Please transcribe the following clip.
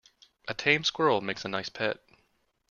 A tame squirrel makes a nice pet.